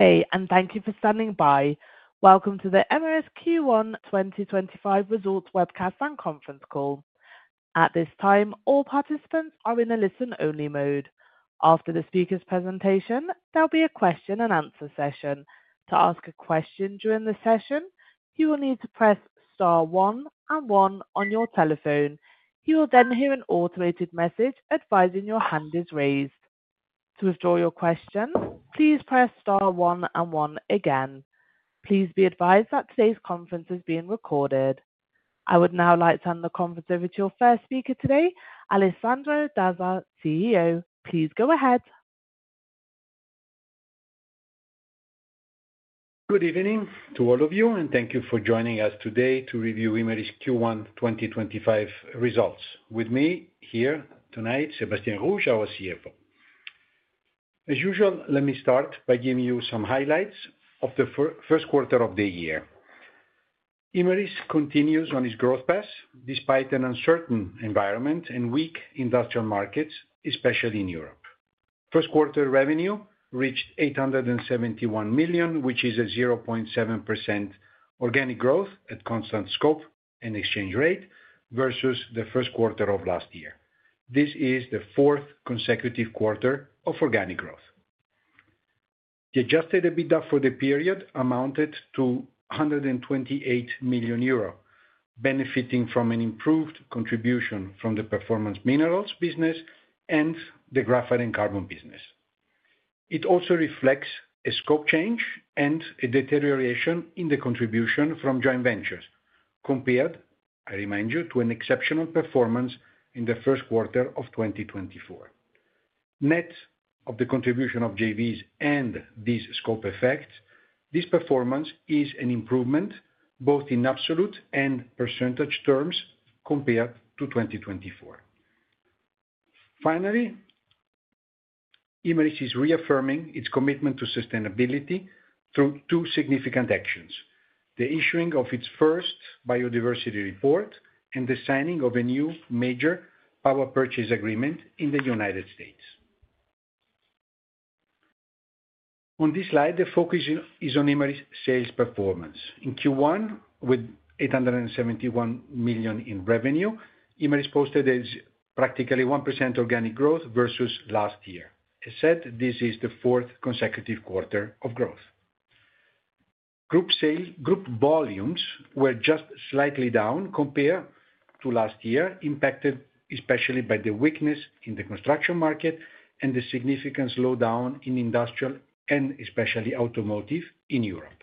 Hey, and thank you for standing by. Welcome to the Imerys Q1 2025 Results Webcast and Conference Call. At this time, all participants are in a listen-only mode. After the speaker's presentation, there'll be a question-and-answer session. To ask a question during the session, you will need to press Star one and one on your telephone. You will then hear an automated message advising your hand is raised. To withdraw your questions, please press Star one and one again. Please be advised that today's conference is being recorded. I would now like to hand the conference over to your first speaker today, Alessandro Dazza, CEO. Please go ahead. Good evening to all of you, and thank you for joining us today to review Imerys Q1 2025 results. With me here tonight, Sébastien Rouge, our CFO. As usual, let me start by giving you some highlights of the first quarter of the year. Imerys continues on its growth path despite an uncertain environment and weak industrial markets, especially in Europe. First quarter revenue reached 871 million, which is a 0.7% organic growth at constant scope and exchange rate versus the first quarter of last year. This is the fourth consecutive quarter of organic growth. The adjusted EBITDA for the period amounted to 128 million euro, benefiting from an improved contribution from the Performance Minerals business and the Graphite and Carbon business. It also reflects a scope change and a deterioration in the contribution from joint ventures compared, I remind you, to an exceptional performance in the first quarter of 2024. Net of the contribution of JVs and these scope effects, this performance is an improvement both in absolute and percentage terms compared to 2024. Finally, Imerys is reaffirming its commitment to sustainability through two significant actions: the issuing of its first biodiversity report and the signing of a new major power purchase agreement in the United States. On this slide, the focus is on Imerys' sales performance. In Q1, with 871 million in revenue, Imerys posted a practically 1% organic growth versus last year. As said, this is the fourth consecutive quarter of growth. Group volumes were just slightly down compared to last year, impacted especially by the weakness in the construction market and the significant slowdown in industrial and especially automotive in Europe.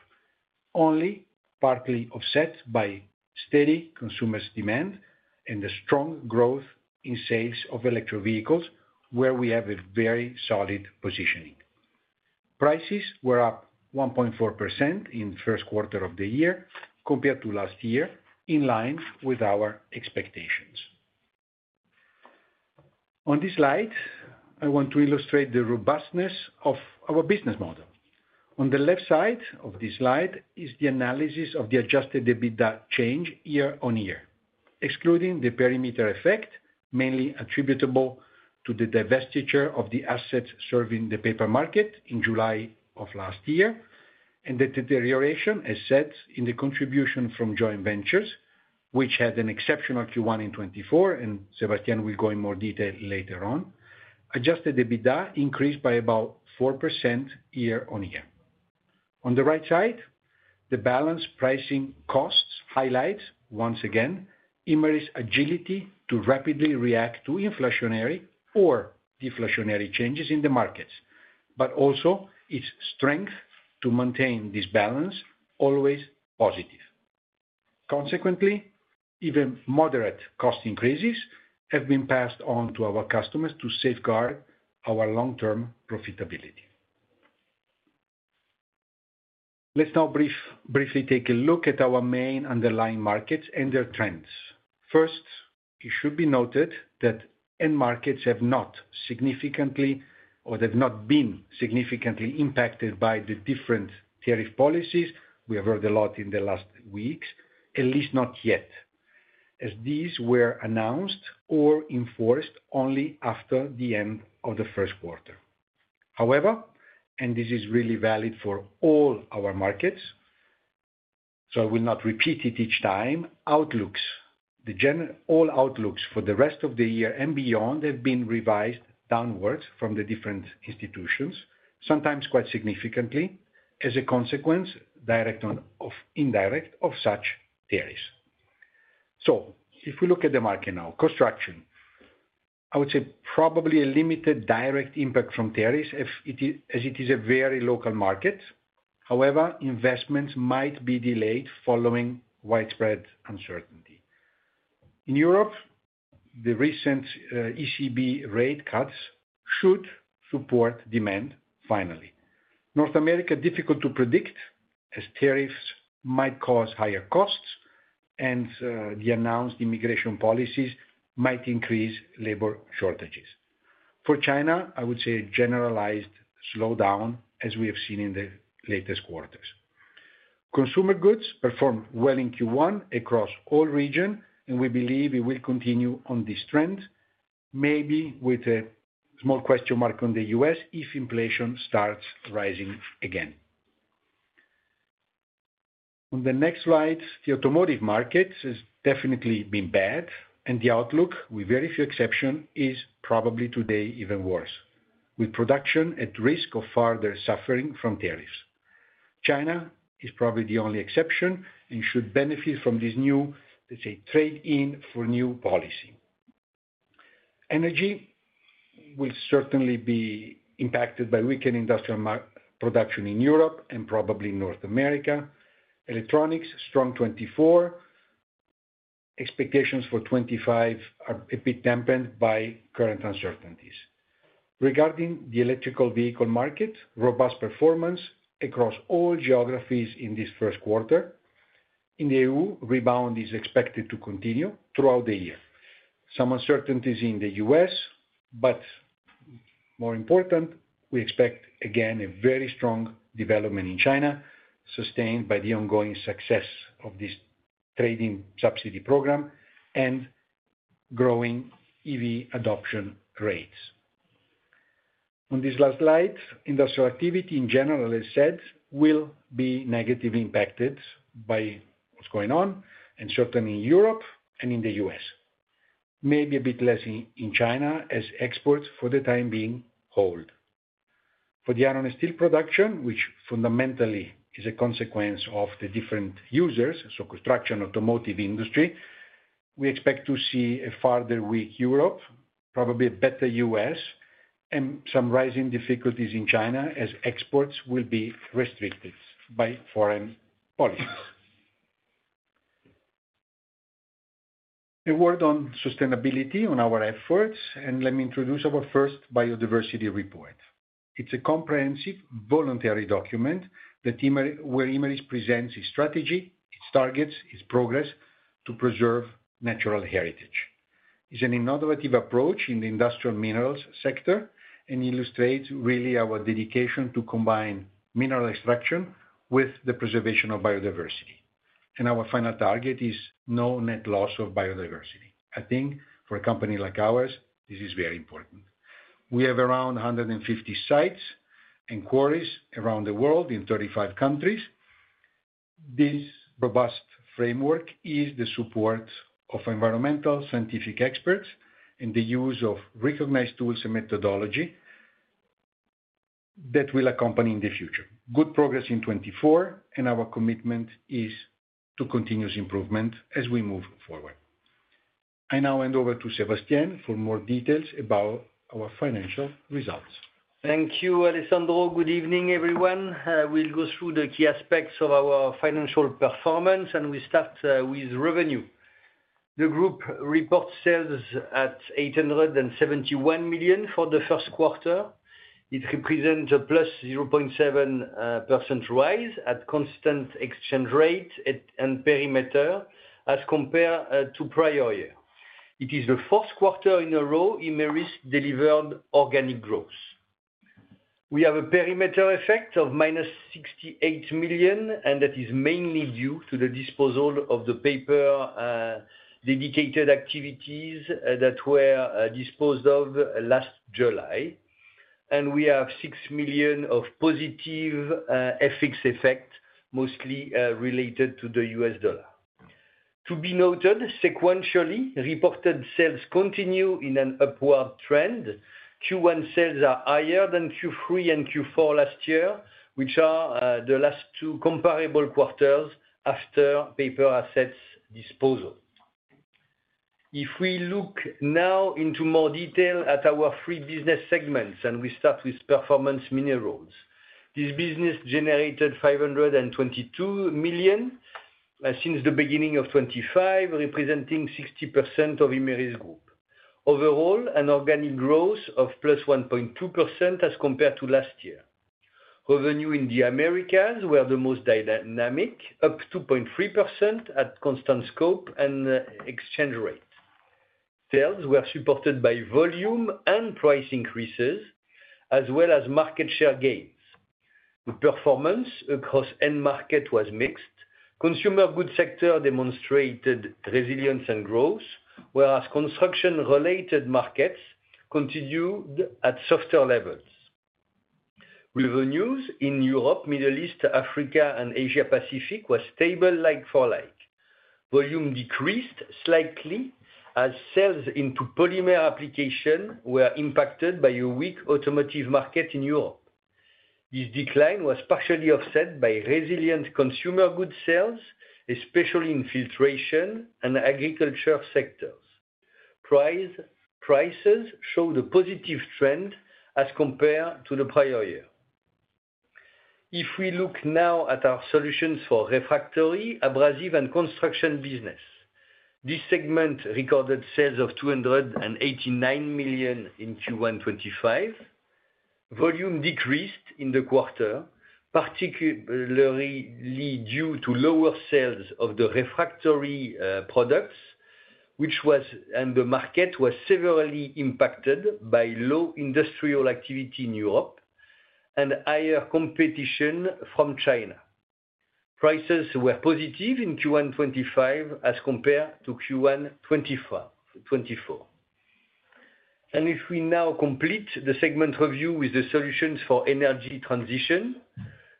Only partly offset by steady consumer demand and the strong growth in sales of electric vehicles, where we have a very solid positioning. Prices were up 1.4% in the first quarter of the year compared to last year, in line with our expectations. On this slide, I want to illustrate the robustness of our business model. On the left side of this slide is the analysis of the adjusted EBITDA change year on year, excluding the perimeter effect, mainly attributable to the divestiture of the assets serving the paper market in July of last year, and the deterioration, as said, in the contribution from joint ventures, which had an exceptional Q1 in 2024, and Sébastien will go in more detail later on. Adjusted EBITDA increased by about 4% year on year. On the right side, the balance pricing costs highlights, once again, Imerys' agility to rapidly react to inflationary or deflationary changes in the markets, but also its strength to maintain this balance, always positive. Consequently, even moderate cost increases have been passed on to our customers to safeguard our long-term profitability. Let's now briefly take a look at our main underlying markets and their trends. First, it should be noted that end markets have not significantly, or they've not been significantly impacted by the different tariff policies we have heard a lot in the last weeks, at least not yet, as these were announced or enforced only after the end of the first quarter. However, and this is really valid for all our markets, so I will not repeat it each time, outlooks, the general all outlooks for the rest of the year and beyond have been revised downwards from the different institutions, sometimes quite significantly, as a consequence, direct or indirect, of such tariffs. If we look at the market now, construction, I would say probably a limited direct impact from tariffs, as it is a very local market. However, investments might be delayed following widespread uncertainty. In Europe, the recent ECB rate cuts should support demand, finally. North America, difficult to predict, as tariffs might cause higher costs and the announced immigration policies might increase labor shortages. For China, I would say a generalized slowdown, as we have seen in the latest quarters. Consumer goods performed well in Q1 across all regions, and we believe we will continue on this trend, maybe with a small question mark on the U.S. if inflation starts rising again. On the next slide, the automotive market has definitely been bad, and the outlook, with very few exceptions, is probably today even worse, with production at risk of further suffering from tariffs. China is probably the only exception and should benefit from this new, let's say, trade-in for new policy. Energy will certainly be impacted by weakened industrial production in Europe and probably in North America. Electronics, strong 2024. Expectations for 2025 are a bit tempered by current uncertainties. Regarding the electrical vehicle market, robust performance across all geographies in this first quarter. In the EU, rebound is expected to continue throughout the year. Some uncertainties in the U.S., but more important, we expect again a very strong development in China, sustained by the ongoing success of this trade-in subsidy program and growing EV adoption rates. On this last slide, industrial activity in general, as said, will be negatively impacted by what's going on, and certainly in Europe and in the U.S. Maybe a bit less in China, as exports for the time being hold. For the iron and steel production, which fundamentally is a consequence of the different users, so construction, automotive industry, we expect to see a further weak Europe, probably a better U.S., and some rising difficulties in China, as exports will be restricted by foreign policies. A word on sustainability on our efforts, and let me introduce our first biodiversity report. It is a comprehensive voluntary document where Imerys presents its strategy, its targets, its progress to preserve natural heritage. It is an innovative approach in the industrial minerals sector and illustrates really our dedication to combine mineral extraction with the preservation of biodiversity. Our final target is no net loss of biodiversity. I think for a company like ours, this is very important. We have around 150 sites and quarries around the world in 35 countries. This robust framework is the support of environmental scientific experts and the use of recognized tools and methodology that will accompany in the future. Good progress in 2024, and our commitment is to continuous improvement as we move forward. I now hand over to Sébastien for more details about our financial results. Thank you, Alessandro. Good evening, everyone. We'll go through the key aspects of our financial performance, and we start with revenue. The group reports sales at 871 million for the first quarter. It represents a plus 0.7% rise at constant exchange rate and perimeter as compared to prior year. It is the fourth quarter in a row Imerys delivered organic growth. We have a perimeter effect of minus 68 million, and that is mainly due to the disposal of the paper dedicated activities that were disposed of last July. We have 6 million of positive FX effect, mostly related to the US dollar. To be noted, sequentially reported sales continue in an upward trend. Q1 sales are higher than Q3 and Q4 last year, which are the last two comparable quarters after paper assets disposal. If we look now into more detail at our three business segments, and we start with Performance Minerals, this business generated 522 million since the beginning of 2025, representing 60% of Imerys Group. Overall, an organic growth of +1.2% as compared to last year. Revenue in the Americas were the most dynamic, up 2.3% at constant scope and exchange rate. Sales were supported by volume and price increases, as well as market share gains. The performance across end market was mixed. Consumer goods sector demonstrated resilience and growth, whereas construction-related markets continued at softer levels. Revenues in Europe, Middle East, Africa, and Asia-Pacific were stable like for like. Volume decreased slightly as sales into polymer application were impacted by a weak automotive market in Europe. This decline was partially offset by resilient consumer goods sales, especially in filtration and agriculture sectors. Prices show the positive trend as compared to the prior year. If we look now at our Solutions for Refractory, Abrasive, and Construction business, this segment recorded sales of 289 million in Q1 2025. Volume decreased in the quarter, particularly due to lower sales of the refractory products, which was, and the market was severely impacted by low industrial activity in Europe and higher competition from China. Prices were positive in Q1 2025 as compared to Q1 2024. If we now complete the segment review with the Solutions for Energy Transition,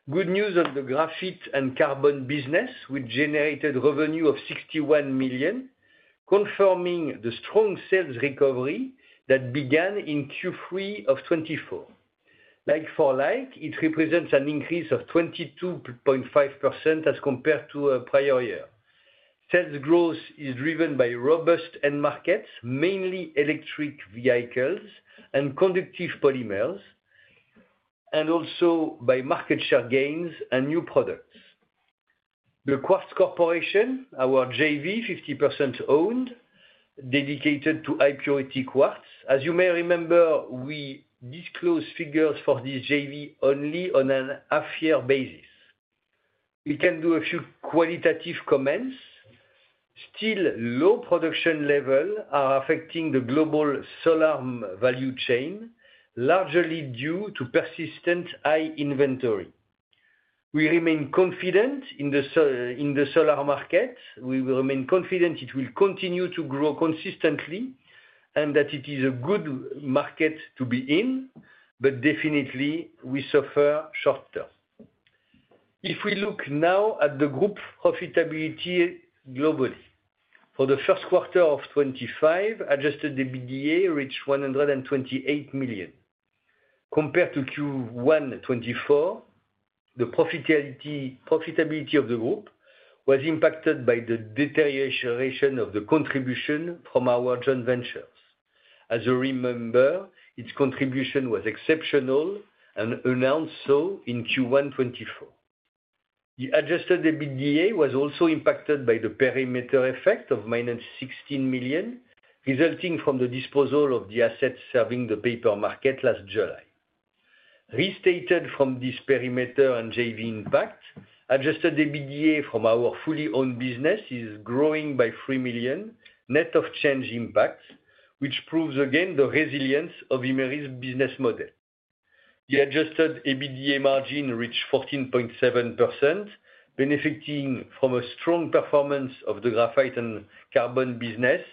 good news on the graphite and carbon business, which generated revenue of 61 million, confirming the strong sales recovery that began in Q3 2024. Like for like, it represents an increase of 22.5% as compared to a prior year. Sales growth is driven by robust end markets, mainly electric vehicles and conductive polymers, and also by market share gains and new products. The Quartz Corporation, our JV, 50% owned, dedicated to high-purity quartz. As you may remember, we disclose figures for this JV only on a half-year basis. We can do a few qualitative comments. Still, low production levels are affecting the global solar value chain, largely due to persistent high inventory. We remain confident in the solar market. We remain confident it will continue to grow consistently and that it is a good market to be in, but definitely we suffer short term. If we look now at the group profitability globally, for the first quarter of 2025, adjusted EBITDA reached 128 million. Compared to Q1 2024, the profitability of the group was impacted by the deterioration of the contribution from our joint ventures. As a remember, its contribution was exceptional and announced so in Q1 2024. The adjusted EBITDA was also impacted by the perimeter effect of minus 16 million, resulting from the disposal of the assets serving the paper market last July. Restated from this perimeter and JV impact, adjusted EBITDA from our fully owned business is growing by 3 million net of change impacts, which proves again the resilience of Imerys' business model. The adjusted EBITDA margin reached 14.7%, benefiting from a strong performance of the graphite and carbon business,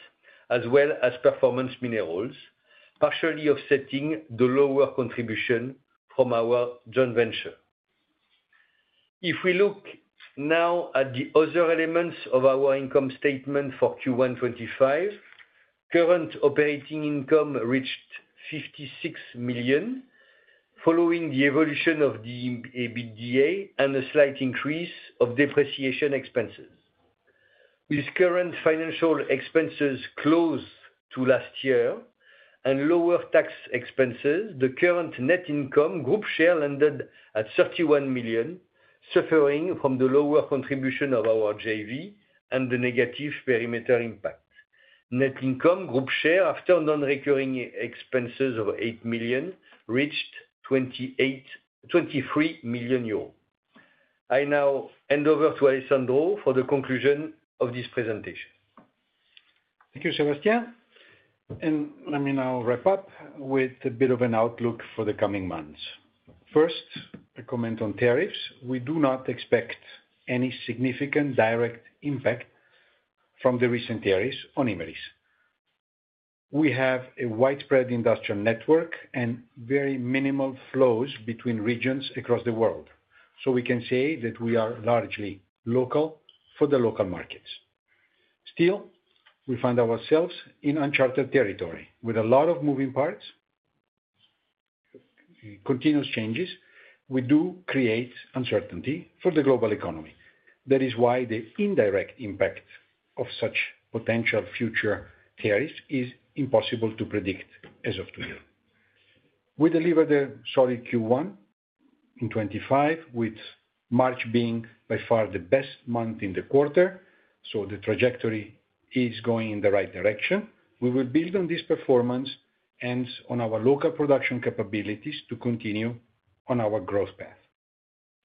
as well as Performance Minerals, partially offsetting the lower contribution from our joint venture. If we look now at the other elements of our income statement for Q1 2025, current operating income reached 56 million, following the evolution of the EBITDA and a slight increase of depreciation expenses. With current financial expenses close to last year and lower tax expenses, the current net income group share landed at 31 million, suffering from the lower contribution of our JV and the negative perimeter impact. Net income group share after non-recurring expenses of 8 million reached 23 million euros. I now hand over to Alessandro for the conclusion of this presentation. Thank you, Sébastien. Let me now wrap up with a bit of an outlook for the coming months. First, a comment on tariffs. We do not expect any significant direct impact from the recent tariffs on Imerys. We have a widespread industrial network and very minimal flows between regions across the world, so we can say that we are largely local for the local markets. Still, we find ourselves in uncharted territory with a lot of moving parts, continuous changes. We do create uncertainty for the global economy. That is why the indirect impact of such potential future tariffs is impossible to predict as of today. We delivered a solid Q1 in 2025, with March being by far the best month in the quarter, so the trajectory is going in the right direction. We will build on this performance and on our local production capabilities to continue on our growth path.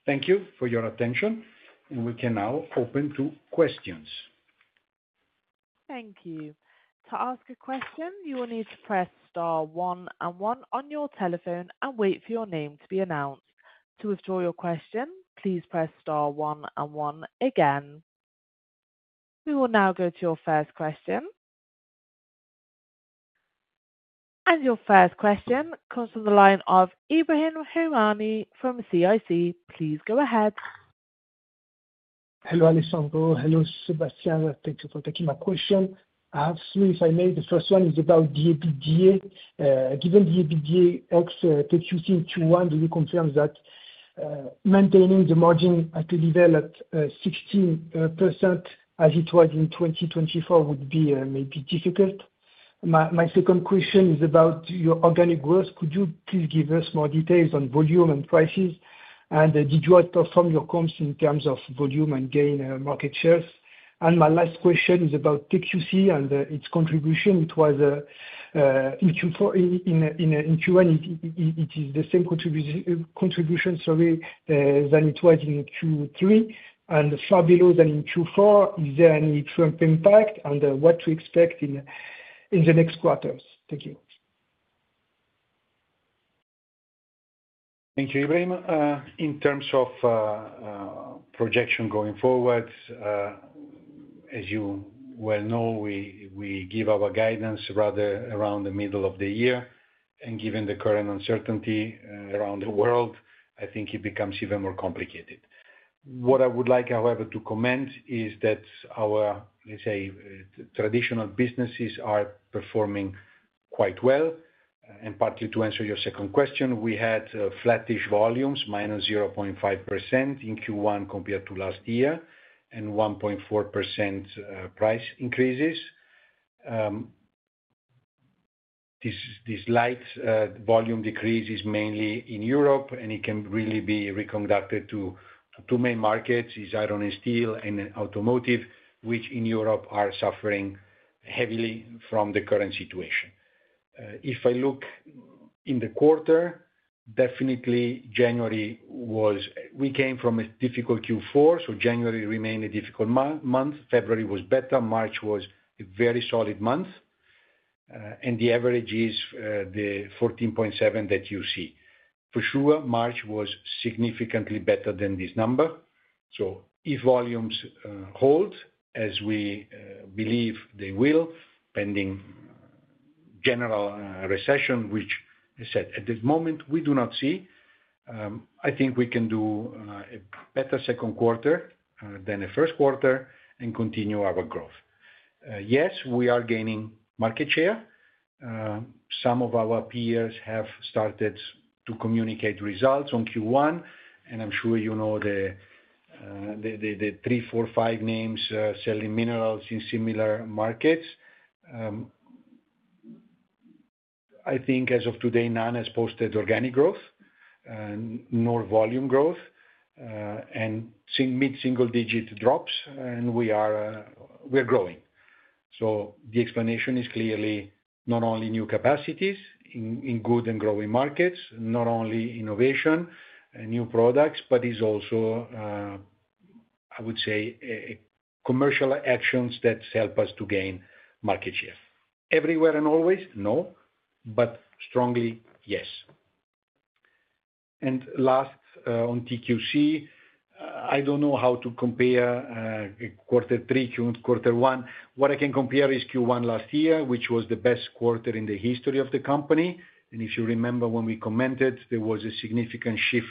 Thank you for your attention, and we can now open to questions. Thank you. To ask a question, you will need to press star one and one on your telephone and wait for your name to be announced. To withdraw your question, please press star one and one again. We will now go to your first question. Your first question comes from the line of Ebrahim Homani from CIC. Please go ahead. Hello, Alessandro. Hello, Sébastien. Thank you for taking my question. Absolutely, if I may, the first one is about the EBITDA. Given the EBITDA expectation Q1, do we confirm that maintaining the margin at a level at 60% as it was in 2024 would be maybe difficult? My second question is about your organic growth. Could you please give us more details on volume and prices? Did you outperform your comps in terms of volume and gain market shares? My last question is about TQC and its contribution. It was in Q1, it is the same contribution, sorry, than it was in Q3, and far below than in Q4. Is there any Trump impact and what to expect in the next quarters? Thank you. Thank you, Ibrahim. In terms of projection going forward, as you well know, we give our guidance rather around the middle of the year. Given the current uncertainty around the world, I think it becomes even more complicated. What I would like, however, to comment is that our, let's say, traditional businesses are performing quite well. Partly to answer your second question, we had flattish volumes, minus 0.5% in Q1 compared to last year, and 1.4% price increases. This light volume decrease is mainly in Europe, and it can really be reconducted to two main markets: iron and steel and automotive, which in Europe are suffering heavily from the current situation. If I look in the quarter, definitely January was, we came from a difficult Q4, so January remained a difficult month. February was better. March was a very solid month. The average is the 14.7 that you see. March was significantly better than this number. If volumes hold, as we believe they will, pending general recession, which, as I said, at this moment, we do not see, I think we can do a better second quarter than a first quarter and continue our growth. Yes, we are gaining market share. Some of our peers have started to communicate results on Q1, and I'm sure you know the three, four, five names selling minerals in similar markets. I think as of today, none has posted organic growth, nor volume growth, and seen mid-single digit drops, and we are growing. The explanation is clearly not only new capacities in good and growing markets, not only innovation and new products, but is also, I would say, commercial actions that help us to gain market share. Everywhere and always? No, but strongly, yes. Last on TQC, I do not know how to compare quarter three, Q1. What I can compare is Q1 last year, which was the best quarter in the history of the company. If you remember when we commented, there was a significant shift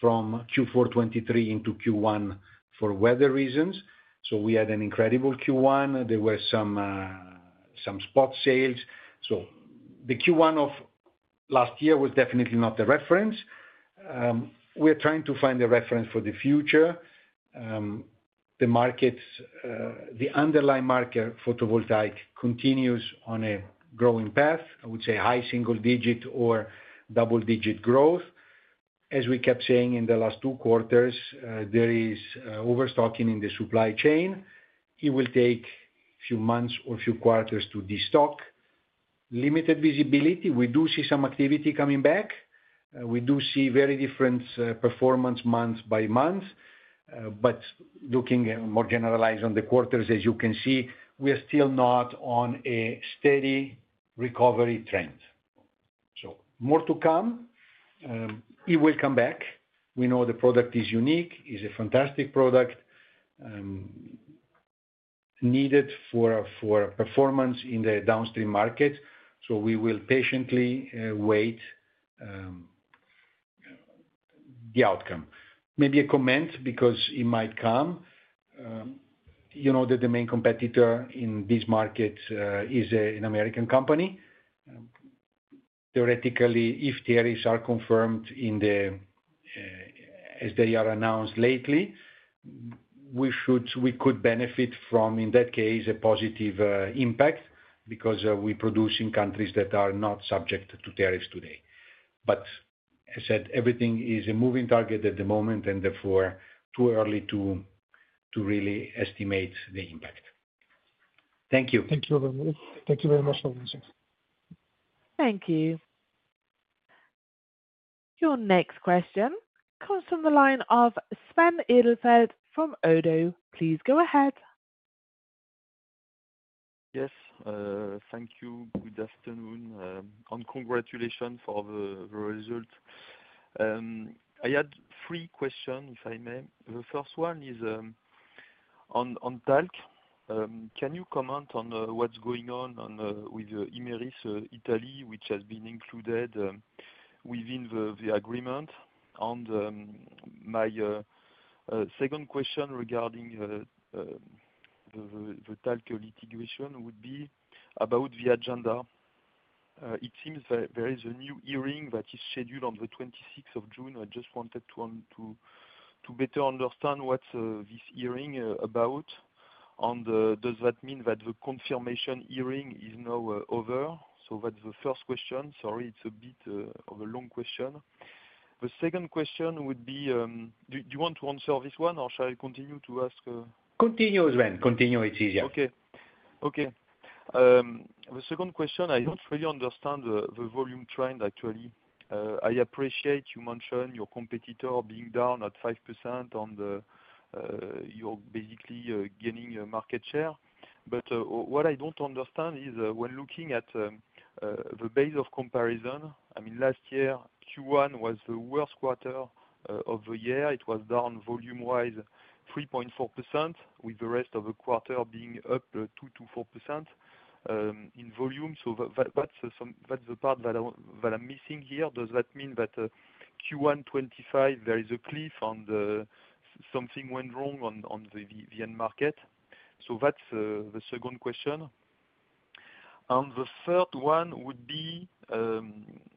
from Q4 2023 into Q1 for weather reasons. We had an incredible Q1. There were some spot sales. The Q1 of last year was definitely not a reference. We are trying to find a reference for the future. The markets, the underlying market, photovoltaic, continues on a growing path, I would say high single digit or double digit growth. As we kept saying in the last two quarters, there is overstocking in the supply chain. It will take a few months or a few quarters to destock. Limited visibility. We do see some activity coming back. We do see very different performance month by month. Looking more generalized on the quarters, as you can see, we are still not on a steady recovery trend. More to come. It will come back. We know the product is unique. It's a fantastic product needed for performance in the downstream markets. We will patiently wait the outcome. Maybe a comment because it might come. You know that the main competitor in this market is an American company. Theoretically, if tariffs are confirmed as they are announced lately, we could benefit from, in that case, a positive impact because we produce in countries that are not subject to tariffs today. As I said, everything is a moving target at the moment, and therefore too early to really estimate the impact. Thank you. Thank you very much. Thank you very much for the answers. Thank you. Your next question comes from the line of Sven Edelfelt from ODDO. Please go ahead. Yes. Thank you. Good afternoon. Congratulations for the result. I had three questions, if I may. The first one is on talc. Can you comment on what's going on with Imerys Italy, which has been included within the agreement? My second question regarding the talc litigation would be about the agenda. It seems there is a new hearing that is scheduled on the 26th of June. I just wanted to better understand what this hearing is about. Does that mean that the confirmation hearing is now over? That is the first question. Sorry, it's a bit of a long question. The second question would be, do you want to answer this one, or shall I continue to ask? Continue, Sven. Continue. It's easier. Okay. Okay. The second question, I don't really understand the volume trend, actually. I appreciate you mentioned your competitor being down at 5%, and you're basically gaining market share. What I don't understand is when looking at the base of comparison, I mean, last year, Q1 was the worst quarter of the year. It was down volume-wise 3.4%, with the rest of the quarter being up 2-4% in volume. What's the part that I'm missing here? Does that mean that Q1 2025, there is a cliff and something went wrong on the European market? That is the second question. The third one would be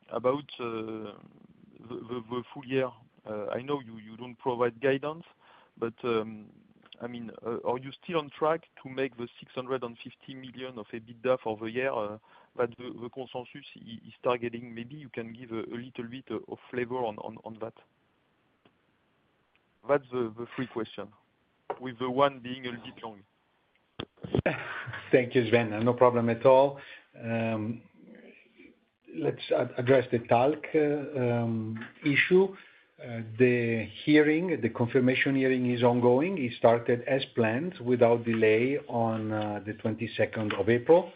about the full year. I know you don't provide guidance, but I mean, are you still on track to make the 650 million of EBITDA for the year? The consensus is targeting, maybe you can give a little bit of flavor on that. That is the three questions, with the one being a little long. Thank you, Sven. No problem at all. Let's address the talc issue. The hearing, the confirmation hearing is ongoing. It started as planned without delay on the 22nd of April.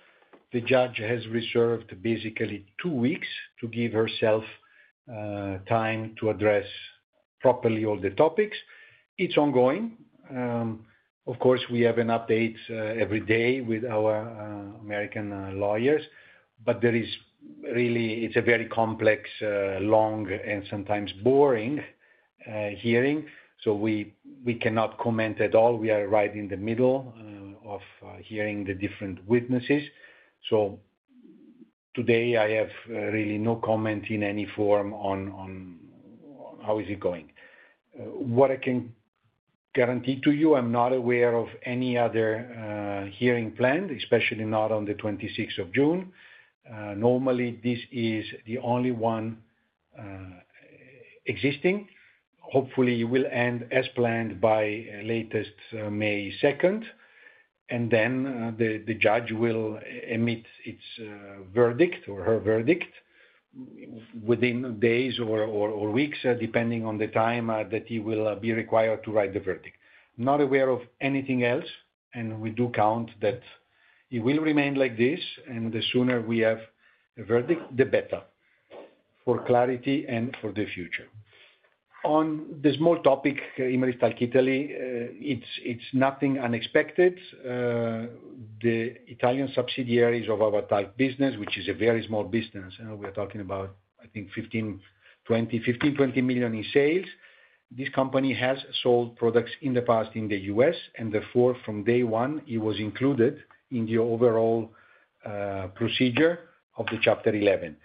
The judge has reserved basically two weeks to give herself time to address properly all the topics. It's ongoing. Of course, we have an update every day with our American lawyers, but there is really, it's a very complex, long, and sometimes boring hearing. We cannot comment at all. We are right in the middle of hearing the different witnesses. Today, I have really no comment in any form on how it is going. What I can guarantee to you, I'm not aware of any other hearing planned, especially not on the 26th of June. Normally, this is the only one existing. Hopefully, it will end as planned by latest May 2nd. The judge will emit its verdict or her verdict within days or weeks, depending on the time that he will be required to write the verdict. Not aware of anything else. We do count that it will remain like this. The sooner we have a verdict, the better for clarity and for the future. On the small topic, Imerys Talc Italy, it's nothing unexpected. The Italian subsidiaries of our talc business, which is a very small business, we are talking about, I think, 15-20 million in sales. This company has sold products in the past in the U.S. and therefore, from day one, it was included in the overall procedure of the Chapter 11.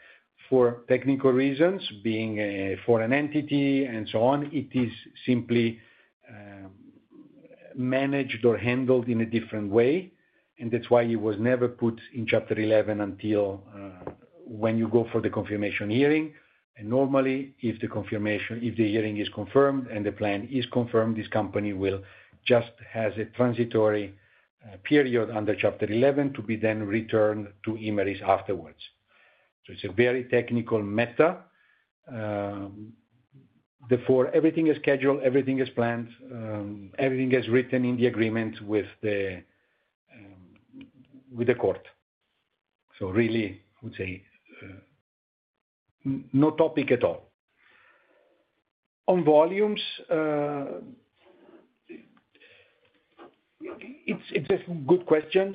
For technical reasons, being a foreign entity and so on, it is simply managed or handled in a different way. That is why it was never put in Chapter 11 until when you go for the confirmation hearing. Normally, if the hearing is confirmed and the plan is confirmed, this company will just have a transitory period under Chapter 11 to be then returned to Imerys afterwards. It is a very technical matter. Therefore, everything is scheduled, everything is planned, everything is written in the agreement with the court. I would say no topic at all. On volumes, it is a good question,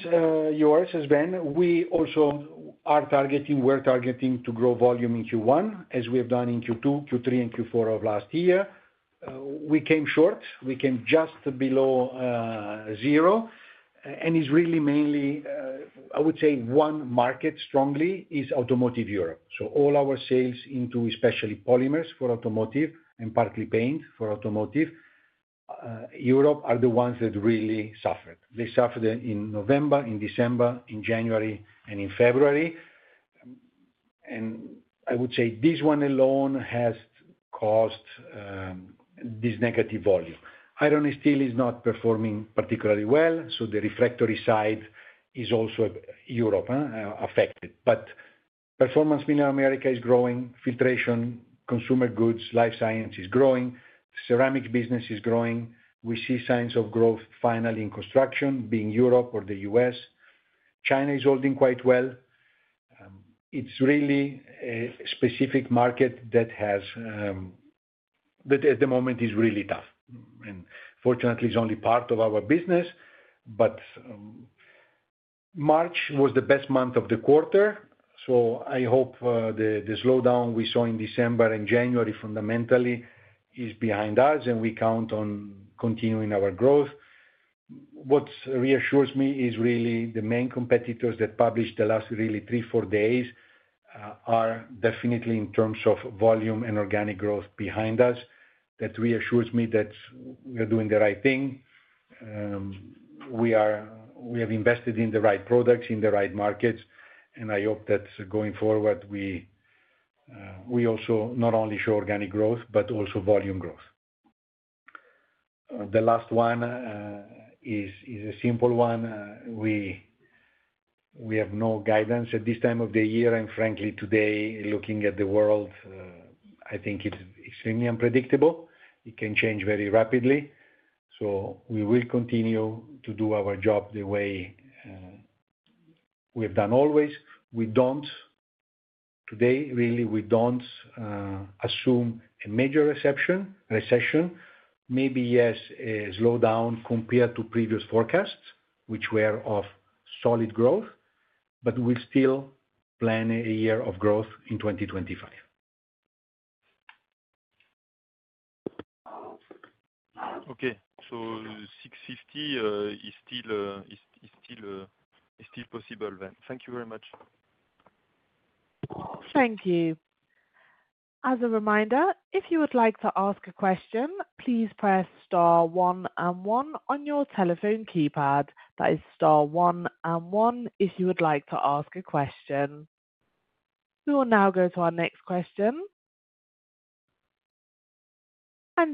yours, Sven. We also are targeting, we are targeting to grow volume in Q1, as we have done in Q2, Q3, and Q4 of last year. We came short. We came just below zero. It is really mainly, I would say one market strongly is automotive Europe. All our sales into especially polymers for automotive and partly paint for automotive Europe are the ones that really suffered. They suffered in November, in December, in January, and in February. I would say this one alone has caused this negative volume. Iron and steel is not performing particularly well. The refractory side is also Europe affected. Performance in America is growing. Filtration, consumer goods, life science is growing. Ceramics business is growing. We see signs of growth finally in construction, being Europe or the U.S. China is holding quite well. It is really a specific market that at the moment is really tough. Fortunately, it is only part of our business. March was the best month of the quarter. I hope the slowdown we saw in December and January fundamentally is behind us, and we count on continuing our growth. What reassures me is really the main competitors that published the last really three, four days are definitely in terms of volume and organic growth behind us. That reassures me that we are doing the right thing. We have invested in the right products, in the right markets. I hope that going forward, we also not only show organic growth, but also volume growth. The last one is a simple one. We have no guidance at this time of the year. Frankly, today, looking at the world, I think it's extremely unpredictable. It can change very rapidly. We will continue to do our job the way we have done always. Today, really, we don't assume a major recession. Maybe yes, a slowdown compared to previous forecasts, which were of solid growth. We still plan a year of growth in 2025. Okay. $650 is still possible, then. Thank you very much. Thank you. As a reminder, if you would like to ask a question, please press star one and one on your telephone keypad. That is star one and one if you would like to ask a question. We will now go to our next question.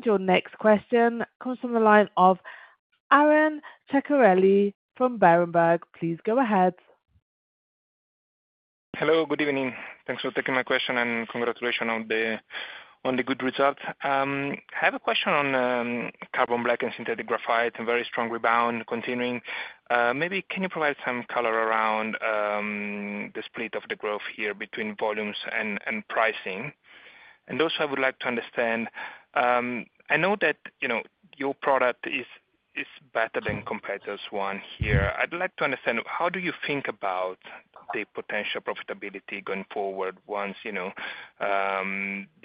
Your next question comes from the line of Aron Ceccarelli from Berenberg. Please go ahead. Hello. Good evening. Thanks for taking my question and congratulations on the good result. I have a question on carbon black and synthetic graphite and very strong rebound continuing. Maybe can you provide some color around the split of the growth here between volumes and pricing? Also, I would like to understand, I know that your product is better than competitors' one here. I'd like to understand, how do you think about the potential profitability going forward once the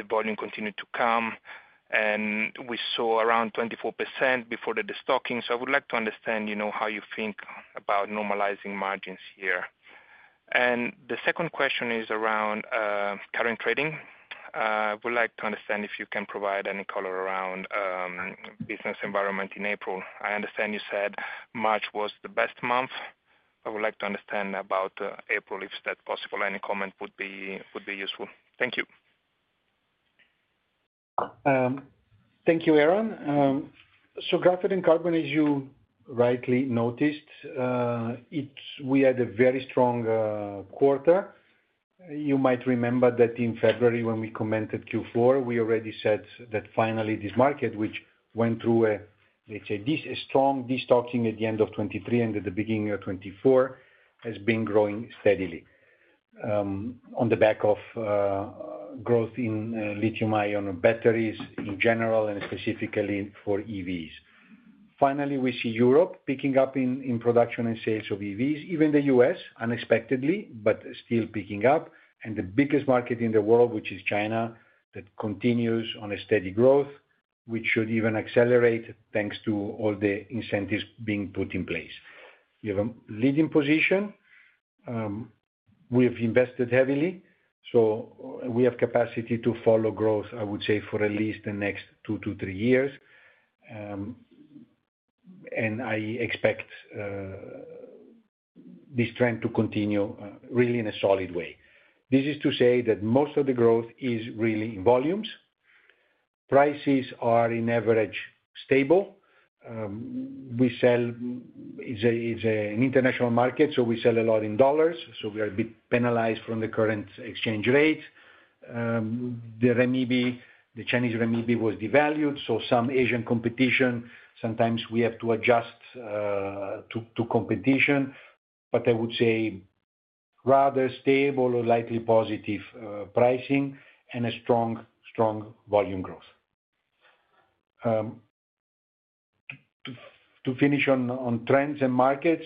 volume continues to come? We saw around 24% before the destocking. I would like to understand how you think about normalizing margins here. The second question is around current trading. I would like to understand if you can provide any color around business environment in April. I understand you said March was the best month. I would like to understand about April, if that's possible. Any comment would be useful. Thank you. Thank you, Aaron. Graphite and carbon, as you rightly noticed, we had a very strong quarter. You might remember that in February when we commented Q4, we already said that finally this market, which went through, let's say, this strong destocking at the end of 2023 and at the beginning of 2024, has been growing steadily on the back of growth in lithium-ion batteries in general and specifically for EVs. Finally, we see Europe picking up in production and sales of EVs, even the U.S. unexpectedly, but still picking up. The biggest market in the world, which is China, continues on a steady growth, which should even accelerate thanks to all the incentives being put in place. You have a leading position. We have invested heavily. We have capacity to follow growth, I would say, for at least the next two to three years. I expect this trend to continue really in a solid way. This is to say that most of the growth is really in volumes. Prices are in average stable. It's an international market, so we sell a lot in dollars. We are a bit penalized from the current exchange rates. The Chinese renminbi was devalued. Some Asian competition, sometimes we have to adjust to competition. I would say rather stable or likely positive pricing and a strong volume growth. To finish on trends and markets,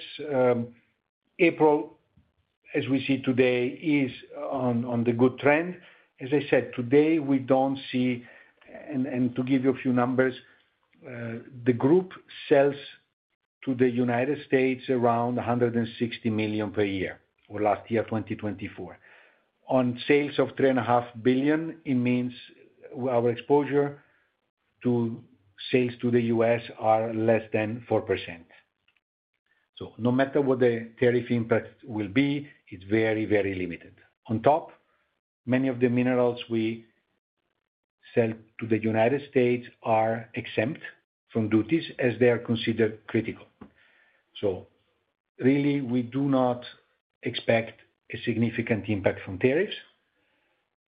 April, as we see today, is on the good trend. As I said, today, we don't see, and to give you a few numbers, the group sells to the United States around $160 million per year or last year, 2024. On sales of 3.5 billion, it means our exposure to sales to the U.S. are less than 4%. No matter what the tariff impact will be, it's very, very limited. On top, many of the minerals we sell to the United States are exempt from duties as they are considered critical. We do not expect a significant impact from tariffs.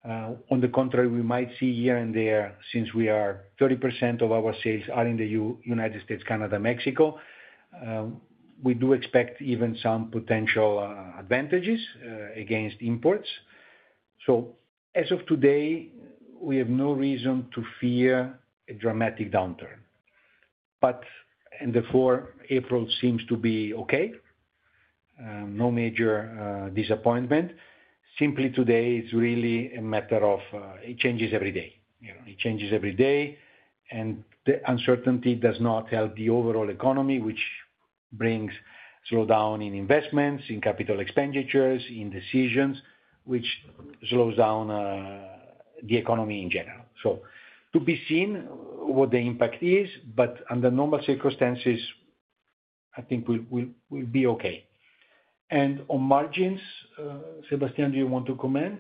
On the contrary, we might see here and there, since 30% of our sales are in the United States, Canada, Mexico, we do expect even some potential advantages against imports. As of today, we have no reason to fear a dramatic downturn. Therefore, April seems to be okay. No major disappointment. Simply today, it's really a matter of it changes every day. It changes every day. The uncertainty does not help the overall economy, which brings slowdown in investments, in capital expenditures, in decisions, which slows down the economy in general. To be seen what the impact is. Under normal circumstances, I think we'll be okay. On margins, Sébastien, do you want to comment?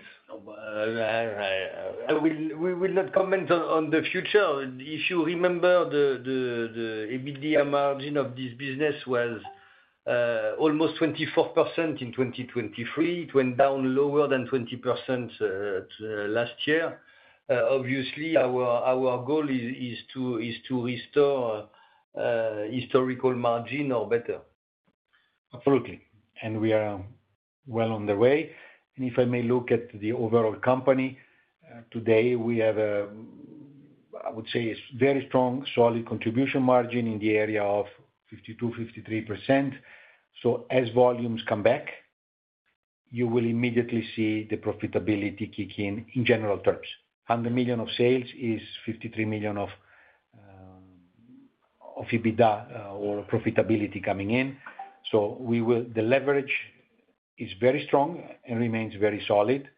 We will not comment on the future. If you remember, the EBITDA margin of this business was almost 24% in 2023. It went down lower than 20% last year. Obviously, our goal is to restore historical margin or better. Absolutely. We are well on the way. If I may look at the overall company, today, we have, I would say, a very strong, solid contribution margin in the area of 52%-53%. As volumes come back, you will immediately see the profitability kick in in general terms. $100 million of sales is $53 million of EBITDA or profitability coming in. The leverage is very strong and remains very solid.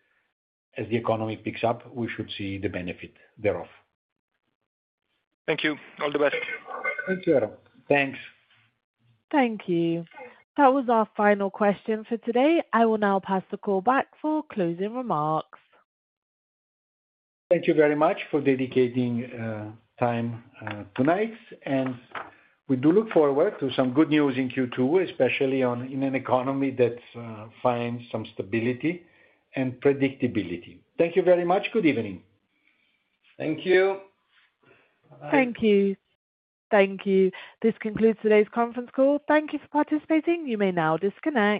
As the economy picks up, we should see the benefit thereof. Thank you. All the best. Thank you, Aaron. Thanks. Thank you. That was our final question for today. I will now pass the call back for closing remarks. Thank you very much for dedicating time tonight. We do look forward to some good news in Q2, especially in an economy that finds some stability and predictability. Thank you very much. Good evening. Thank you. Thank you. Thank you. This concludes today's conference call. Thank you for participating. You may now disconnect.